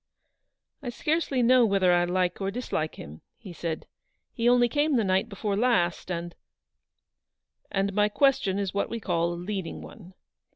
"I scarcely know whether I like or dislike him," she said; "he only came the night before last, and —"" And my question is what we call a leading one.